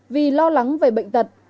vì lo lắng về bệnh tật